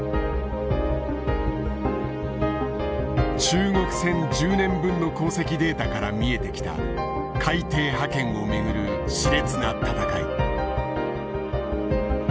中国船１０年分の航跡データから見えてきた海底覇権をめぐるしれつな闘い。